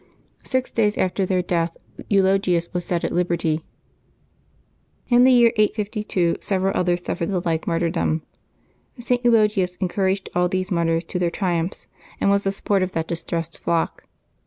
Six days after their death Eulogius was set at liberty. In the year 852 several others suffered the like martyrdom. St. Eulogius encouraged all these martyrs to their tri~ umphs, and was tbe support of that distressed flock.